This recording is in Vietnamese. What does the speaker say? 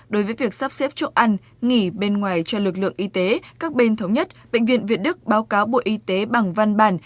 đối với việc sắp xếp chỗ ăn nghỉ bên ngoài cho lực lượng y tế các bên thống nhất bệnh viện việt đức báo cáo bộ y tế bằng văn bản